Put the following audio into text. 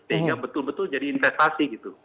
sehingga betul betul jadi investasi gitu